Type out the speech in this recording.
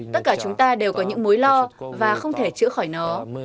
tất cả chúng ta đều có những mối lo và không thể chữa khỏi nó